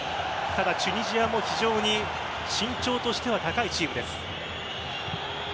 ただ、チュニジアも非常に身長としては高いチームです。